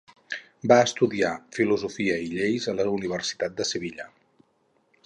Va estudiar Filosofia i Lleis a la Universitat de Sevilla.